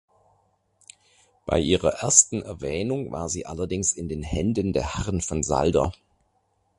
Bei ihrer ersten Erwähnung war sie allerdings in den Händen der Herren von Salder.